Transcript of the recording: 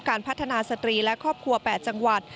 การพัฒนาสตรีและครอบครัว๘จังหวัด